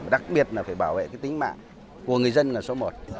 đặc biệt là phải bảo vệ cái tính mạng của người dân là số một